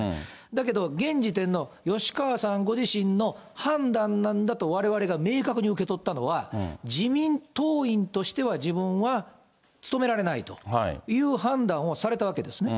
だけど、現時点の吉川さんご自身の判断なんだとわれわれが明確に受け取ったのは、自民党員としては自分は務められないという判断をされたわけですね。